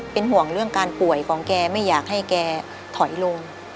เป็นห่วงเรื่องการป่วยของแกไม่อยากให้แกถอยลง